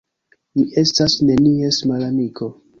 Mi estas nenies malamiko.